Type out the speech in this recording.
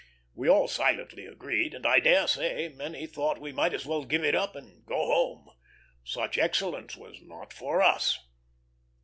We all silently agreed, and I dare say many thought we might as well give it up and go home. Such excellence was not for us.